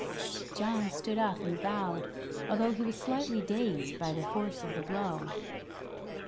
John stood up and bowed, although he was slightly dazed by the force of the blow.